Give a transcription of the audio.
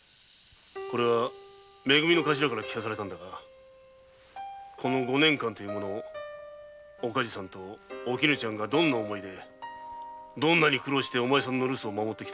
これはめ組のカシラが聞かせてくれたんだがこの五年間というものお梶さんとおきぬちゃんがどんな思いでどんなに苦労して留守を守ってきたか。